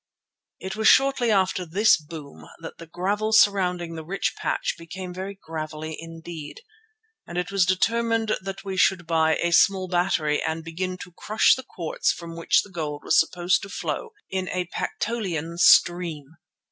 It was shortly after this boom that the gravel surrounding the rich patch became very gravelly indeed, and it was determined that we should buy a small battery and begin to crush the quartz from which the gold was supposed to flow in a Pactolian stream.